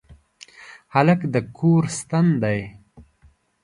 هلک د کور ستن دی.